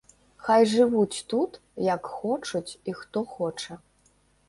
Хай жывуць тут, як хочуць і хто хоча.